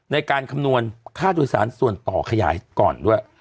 ในการคำนวณค่าโดยสารส่วนต่อขยายก่อนด้วย